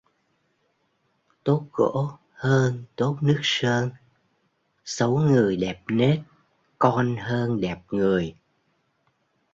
Tốt gỗ hơn tốt nước sơn, xấu người đẹp nết con hơn đẹp người